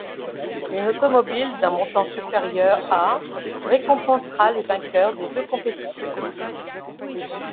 Une automobile d'un montant supérieur à récompensera les vainqueurs des deux compétitions.